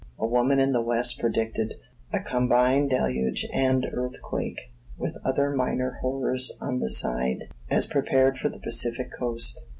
A woman in the west predicted a combined deluge and earthquake, with other minor horrors on the side, as prepared for the Pacific coast.